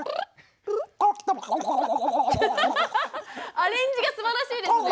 アレンジがすばらしいですね。